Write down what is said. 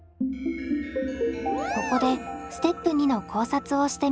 ここでステップ２の考察をしてみましょう。